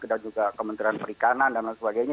dan juga kementerian perikanan dan lain sebagainya